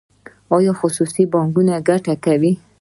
آیا خصوصي بانکونه ګټه کوي؟